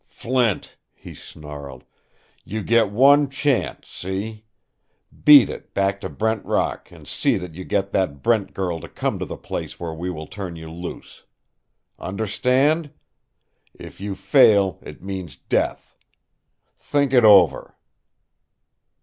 "Flint," he snarled, "you get one chance see? Beat it back to Brent Rock and see that you get that Brent girl to come to the place where we will turn you loose. Understand? If you fail it means death. Think it over."